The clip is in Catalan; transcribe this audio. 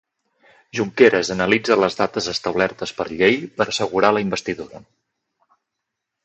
Junqueras analitza les dates establertes per llei per assegurar la investidura.